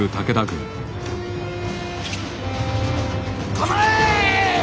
構え！